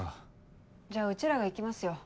じゃあうちらが行きますよ。